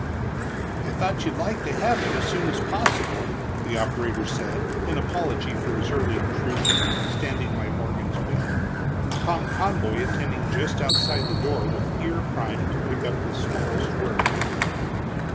"I thought you'd like to have it as soon as possible," the operator said, in apology for his early intrusion, standing by Morgan's bed, Tom Conboy attending just outside the door with ear primed to pick up the smallest word.